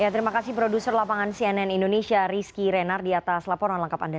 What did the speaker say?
terima kasih produser lapangan cnn indonesia rizky renardi atas laporan lengkap anda